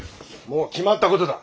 もう決まった事だ。